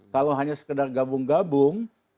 kalau hanya sekedar gabung gabung